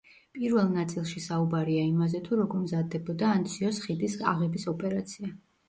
პირველ ნაწილში საუბარია იმაზე, თუ როგორ მზადდებოდა ანციოს ხიდის აღების ოპერაცია.